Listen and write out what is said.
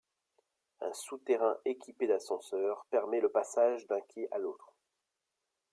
Un souterrain équipé d'ascenseurs permet le passage d'un quai à l'autre.